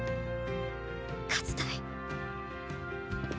勝ちたい。